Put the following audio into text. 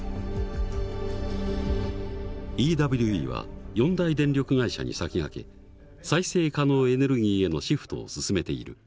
ＥＷＥは四大電力会社に先駆け再生可能エネルギーへのシフトを進めている。